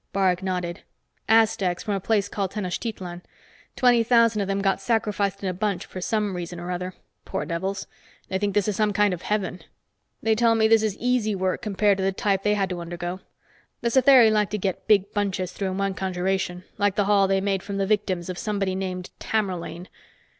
Barg nodded. "Aztecs from a place called Tenochtitlan. Twenty thousand of them got sacrificed in a bunch for some reason or other. Poor devils. They think this is some kind of heaven. They tell me this is easy work compared to the type they had to undergo. The Satheri like to get big bunches through in one conjuration, like the haul they made from the victims of somebody named Tamerlane."